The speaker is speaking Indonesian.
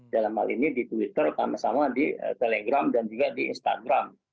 dalam hal ini di twitter sama sama di telegram dan juga di instagram